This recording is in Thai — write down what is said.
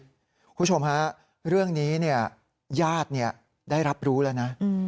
คุณผู้ชมฮะเรื่องนี้ญาติได้รับรู้แล้วนะ